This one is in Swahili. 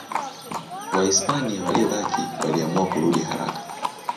Wahispania waliobaki waliamua kurudi haraka.